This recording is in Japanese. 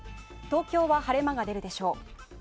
東京は晴れ間が出るでしょう。